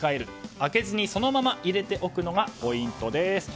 開けずにそのまま入れておくのがポイントですと。